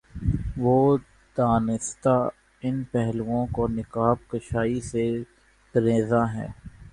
وہ دانستہ ان پہلوئوں کی نقاب کشائی سے گریزاں ہے۔